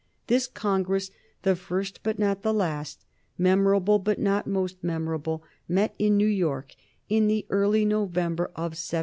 This congress, the first but not the last, memorable but not most memorable, met in New York in the early November of 1765.